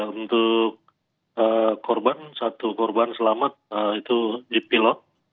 untuk korban satu korban selamat itu dipilot